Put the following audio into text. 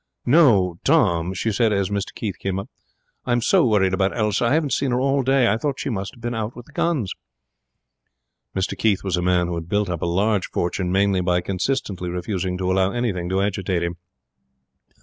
'No. Tom,' she said, as Mr Keith came up, 'I'm so worried about Elsa. I haven't seen her all day. I thought she must be out with the guns.' Mr Keith was a man who had built up a large fortune mainly by consistently refusing to allow anything to agitate him.